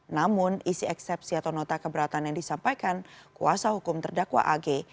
namun isi eksepsi atau nota keberatan yang disampaikan kuasa hukum terdakwa ag